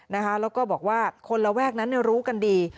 แล้วก็บอกว่าคนระแวกนั้นรู้กันดี